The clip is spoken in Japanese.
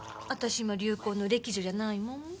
私今流行の歴女じゃないもん。